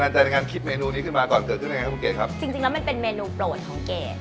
จริงแล้วมันเป็นเมนูโปรดของเกรก